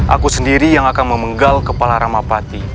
aku sendiri yang akan memenggal kepala ramapati